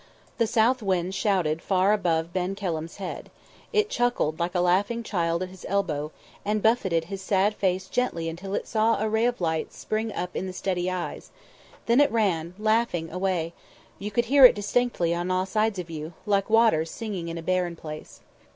The south wind shouted far above Ben Kelham's head, it chuckled like a laughing child at his elbow, and buffeted his sad face gently until it saw a ray of light spring up in the steady eyes; then it ran laughing away you could hear it distinctly on all sides of you like water singing in a barren place.